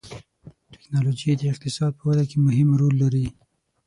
ټکنالوجي د اقتصاد په وده کې مهم رول لري.